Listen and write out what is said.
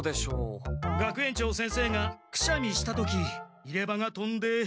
学園長先生がくしゃみした時入れ歯がとんで。